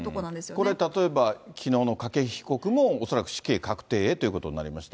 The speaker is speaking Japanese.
これ、例えばきのうの筧被告も、恐らく死刑確定へということになりました。